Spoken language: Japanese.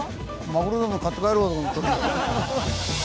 マグロでも買って帰ろうと思ってた。